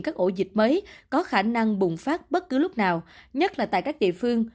các ổ dịch mới có khả năng bùng phát bất cứ lúc nào nhất là tại các địa phương